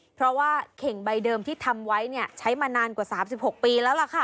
เพราะว่าเข่งใบเดิมที่ทำไว้เนี่ยใช้มานานกว่า๓๖ปีแล้วล่ะค่ะ